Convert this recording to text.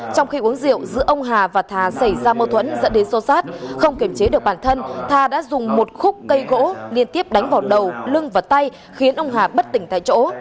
trong khi uống rượu giữa ông hà và thà xảy ra mâu thuẫn dẫn đến xô xát không kiểm chế được bản thân thà đã dùng một khúc cây gỗ liên tiếp đánh vào đầu lưng và tay khiến ông hà bất tỉnh tại chỗ